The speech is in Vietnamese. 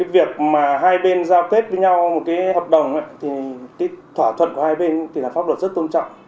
việc mà hai bên giao kết với nhau một hợp đồng thỏa thuận của hai bên là pháp luật rất tôn trọng